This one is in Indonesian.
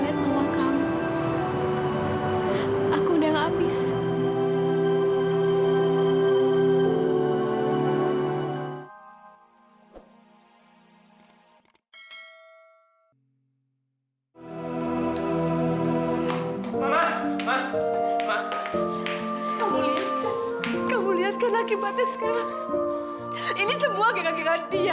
sampai jumpa di video selanjutnya